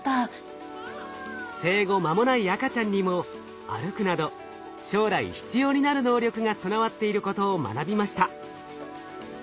生後まもない赤ちゃんにも歩くなど将来必要になる能力が備わっていることを学びました。